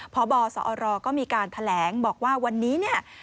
พบสอรก็มีการแถลงบอกว่าวันนี้เนี่ย